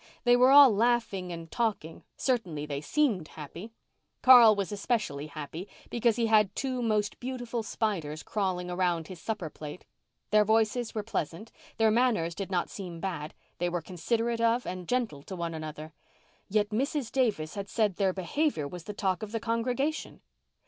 They were all laughing and talking—certainly they seemed happy. Carl was especially happy because he had two most beautiful spiders crawling around his supper plate. Their voices were pleasant, their manners did not seem bad, they were considerate of and gentle to one another. Yet Mrs. Davis had said their behaviour was the talk of the congregation.